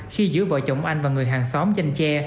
khi giữa vợ chồng anh và người hàng xóm danh tre